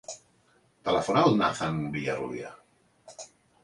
Telefona al Nathan Villarrubia.